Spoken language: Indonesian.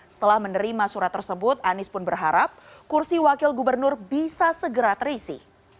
setelah menerima surat tersebut anies pun berharap kursi wakil gubernur bisa segera terisi